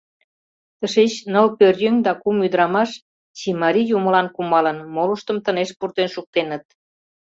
Тышеч ныл пӧръеҥ да кум ӱдырамаш чимарий юмылан кумалын, молыштым тынеш пуртен шуктеныт.